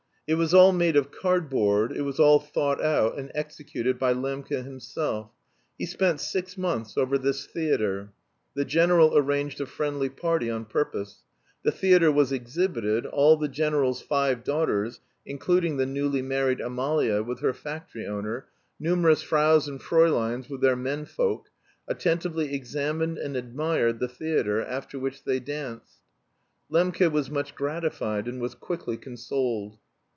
It was all made of cardboard, it was all thought out and executed by Lembke himself. He spent six months over this theatre. The general arranged a friendly party on purpose. The theatre was exhibited, all the general's five daughters, including the newly married Amalia with her factory owner, numerous fraus and frauleins with their men folk, attentively examined and admired the theatre, after which they danced. Lembke was much gratified and was quickly consoled.